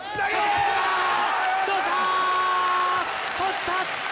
とった！